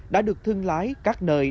đã được thương lái các nơi